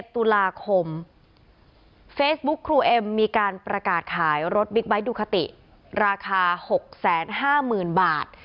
ตุลาคมเฟซบุ๊คครูเอ็มมีการประกาศขายรถบิ๊กไบท์ดูคาติราคา๖๕๐๐๐๐บาท